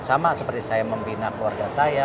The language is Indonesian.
sama seperti saya membina keluarga saya